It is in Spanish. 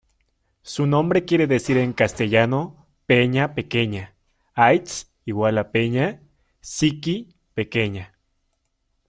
Su nombre quiere decir en castellano "peña pequeña" "aitz"=peña "txiki"=pequeña.